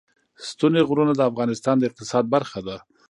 ستوني غرونه د افغانستان د اقتصاد برخه ده.